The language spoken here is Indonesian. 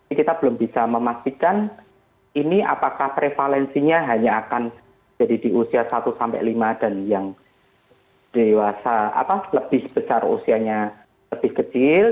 ini kita belum bisa memastikan ini apakah prevalensinya hanya akan jadi di usia satu sampai lima dan yang dewasa lebih besar usianya lebih kecil